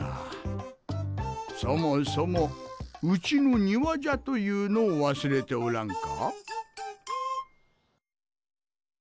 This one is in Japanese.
そもそもウチの庭じゃというのを忘れておらんか？